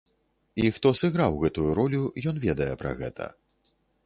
І хто сыграў гэтую ролю, ён ведае пра гэта.